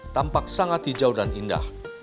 tampak sangat hijau dan indah